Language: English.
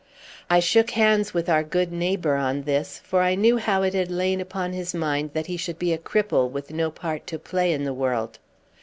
I shook hands with our good neighbour on this, for I knew how it had lain upon his mind that he should be a cripple, with no part to play in the world.